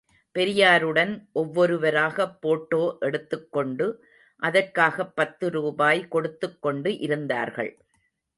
பெரியாருடன் ஒவ்வொருவராகப் போட்டோ எடுத்துக் கொண்டு, அதற்காகப் பத்து ரூபாய் கொடுத்துக் கொண்டு இருந்தார்கள்.